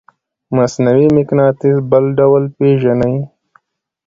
مصنوعي مقناطیس بل ډول پیژنئ؟